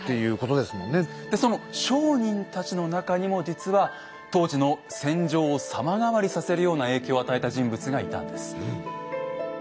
でその商人たちの中にも実は当時の戦場を様変わりさせるような影響を与えた人物がいたんです。